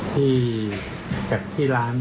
อเจมส์จากที่ร้านครับ